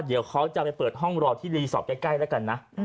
เดี๋ยวเขาจะไปเปิดห้องรอที่รีสอร์ทใกล้แล้วกันนะ